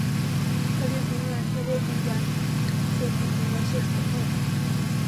颗粒关公蟹为关公蟹科关公蟹属的动物。